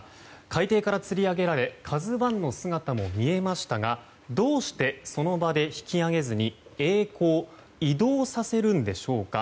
海底からつり上げられ「ＫＡＺＵ１」の姿も見えましたがどうして、その場で引き揚げずに曳航・移動させるんでしょうか。